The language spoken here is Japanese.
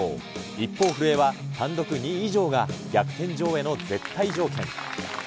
一方、古江は単独２位以上が逆転女王への絶対条件。